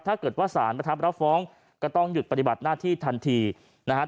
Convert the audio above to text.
ถ้าเกิดว่าสารประทับรับฟ้องก็ต้องหยุดปฏิบัติหน้าที่ทันทีนะครับ